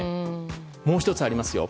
もう１つあります。